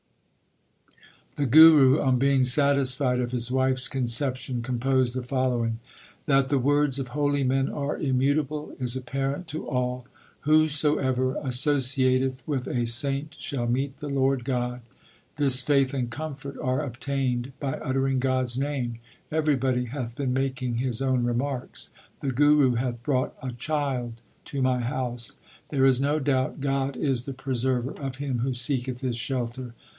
The Guru on being satisfied of his wife s concep tion composed the following : That the words of holy men are immutable is apparent to all. Whoever associateth with a saint shall meet the Lord God. This faith and comfort are obtained by uttering God s name. Everybody hath been making his own remarks ; 2 the Guru hath brought a child to my house. There is no doubt God is the preserver of him who seeketh His shelter.